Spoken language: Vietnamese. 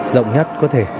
rộng nhất có thể